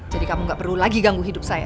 jadi kamu gak perlu lagi ganggu hidup saya